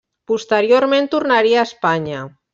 Posteriorment tornaria a Espanya.